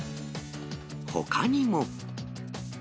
ほかにも。